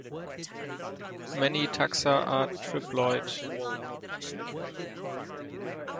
Many taxa are triploid.